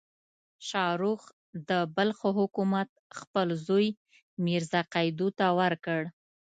شاهرخ د بلخ حکومت خپل زوی میرزا قیدو ته ورکړ.